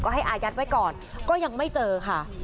ให้อายัดไว้ก่อนก็ยังไม่เจอค่ะ